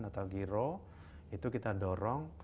atau giro itu kita dorong